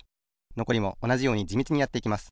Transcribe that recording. のこりもおなじようにじみちにやっていきます。